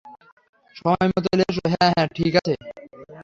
সময়মত চলে এসো - হ্যাঁ হ্যাঁ, ঠিক আছে।